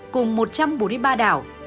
cùng một trăm bốn mươi ba đảo